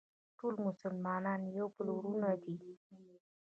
ټول مسلمانان د یو بل وروڼه دي.